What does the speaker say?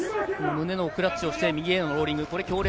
胸のクラッチをして、右へのローリング。